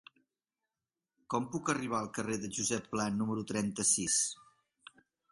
Com puc arribar al carrer de Josep Pla número trenta-sis?